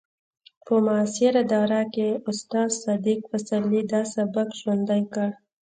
په معاصره دوره کې استاد صدیق پسرلي دا سبک ژوندی کړ